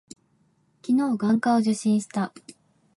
昨日、眼科を受診した。